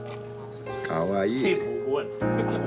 かわいい。